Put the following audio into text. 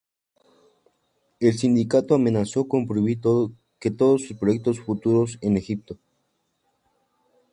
El sindicato amenazó con prohibir que todos sus proyectos futuros en Egipto.